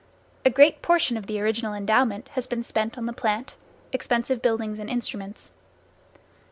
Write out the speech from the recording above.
A great portion of the original endowment has been spent on the plant, expensive buildings and instruments.